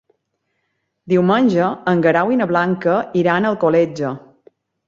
Diumenge en Guerau i na Blanca iran a Alcoletge.